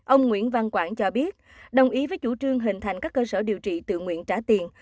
ông nguyễn văn quảng cho biết đồng ý với chủ trương hình thành các cơ sở điều trị tự nguyện trả tiền